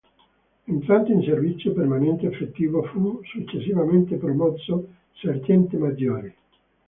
Entrato in servizio permanente effettivo, fu successivamente promosso sergente maggiore.